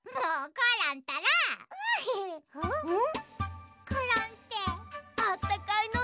うん！